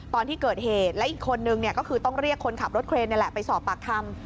ตอนที่เกิดเหตุและอีกคนนึงก็คือต้องเรียกคนขับรถเครนนี่แหละไปสอบปากคำ